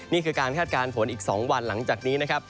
นี่คือการคาดการณ์ฝนอีก๒วันหลังจากนี้นะครับ